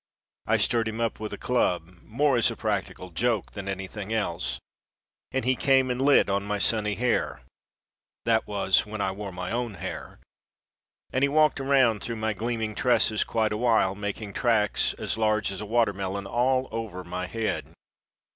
I stirred him up with a club, more as a practical joke than anything else, and he came and lit on my sunny hair that was when I wore my own hair and he walked around through my gleaming tresses quite awhile, making tracks as large as a watermelon all over my head.